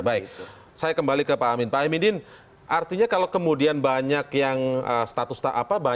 baik saya kembali ke pak amin pak amindin artinya kalau kemudian banyak yang status apa